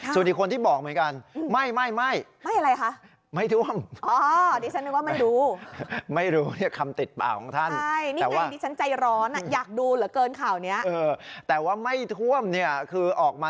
ส่วนอีกคนที่บอกเหมือนกัน